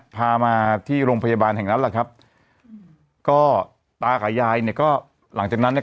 พามาที่โรงพยาบาลแห่งนั้นแหละครับก็ตากับยายเนี่ยก็หลังจากนั้นเนี่ย